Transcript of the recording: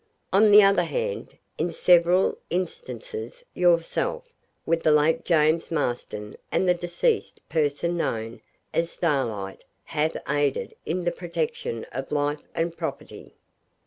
On the other hand, in several instances, yourself, with the late James Marston and the deceased person known as Starlight, have aided in the protection of life and property.